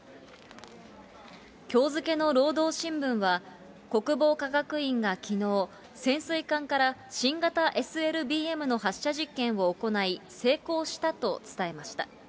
きょう付けの労働新聞は、国防科学院がきのう、潜水艦から新型ＳＬＢＭの発射実験を行い、成功したと伝えました。